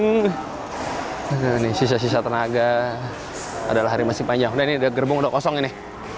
hmm ini sisa sisa tenaga adalah hari masih panjang udah ini gerbong udah kosong ini